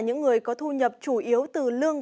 những người có thu nhập chủ yếu từ lương